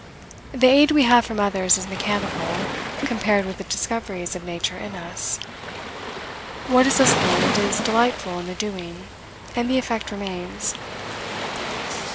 The aid we have from others is mechanical, compared with the discoveries of nature in us. What is thus learned is delightful in the doing, and the effect remains.